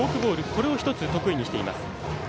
これを１つ得意にしています。